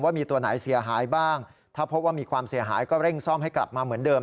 มีตัวไหนเสียหายบ้างถ้าพบว่ามีความเสียหายก็เร่งซ่อมให้กลับมาเหมือนเดิม